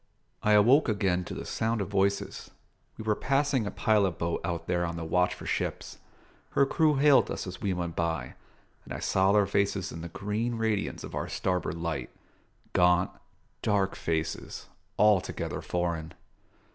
I awoke again to the sound of voices. We were passing a pilot boat out there on the watch for ships. Her crew hailed us as we went by, and I saw their faces in the green radiance of our starboard light gaunt, dark faces, altogether foreign.